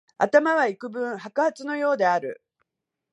頭はいくぶん白髪のようである